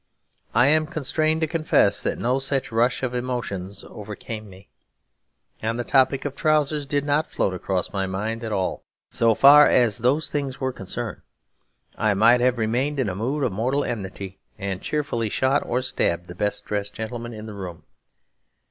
I am constrained to confess that no such rush of emotions overcame me; and the topic of trousers did not float across my mind at all. So far as those things were concerned, I might have remained in a mood of mortal enmity, and cheerfully shot or stabbed the best dressed gentleman in the room.